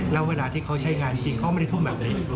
แล้วเวลาที่เขาใช้งานจริงเขาไม่ได้ทุ่มแบบนี้